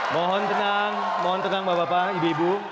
mohon tenang mohon tenang bapak bapak ibu ibu